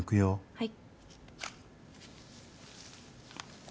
・はい。